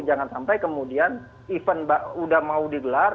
jangan sampai kemudian event udah mau digelar